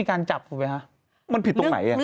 อาจารย์นะ